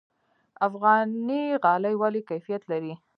افغاني غالۍ ولې کیفیت لري؟